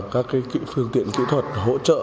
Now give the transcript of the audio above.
các cái phương tiện kỹ thuật